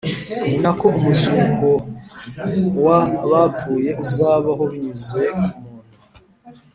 ni na ko umuzukoh w abapfuye uzabaho binyuze ku muntu